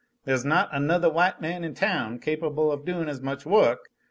There's not anothah white man in town capable of doin' as much work.